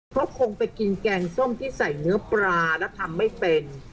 เพราะคงไปกินแกงส้มที่ใส่เนื้อปลาแล้วทำไม่เป็น